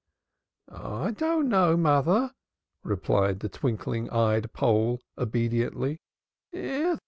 "I don't know, mother," replied the twinkling eyed Pole obediently.